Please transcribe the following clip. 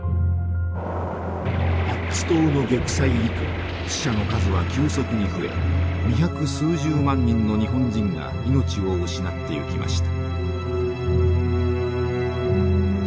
アッツ島の玉砕以降死者の数は急速に増え二百数十万人の日本人が命を失っていきました。